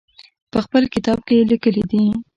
په خپل کتاب کې یې لیکلي دي.